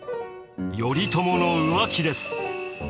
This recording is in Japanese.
頼朝の浮気です。